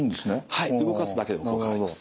はい動かすだけでも効果あります。